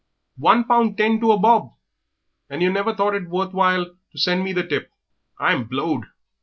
One pound ten to a bob! And yer never thought it worth while to send me the tip. I'm blowed!